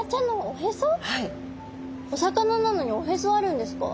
お魚なのにおへそあるんですか？